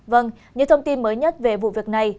vâng những thông tin mới nhất về vụ việc này